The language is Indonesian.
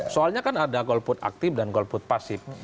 soalnya kan ada golput aktif dan golput pasif